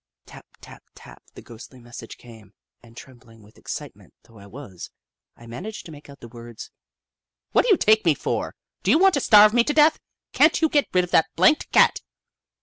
Tap tap tap, the ghostly message came, and, trembling with excitement though I was, I managed to make out the words :" What do you take me for ? Do you want to starve me to death ? Can't you get rid of that blanked Cat